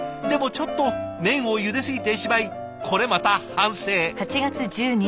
でもちょっと麺をゆですぎてしまいこれまた反省。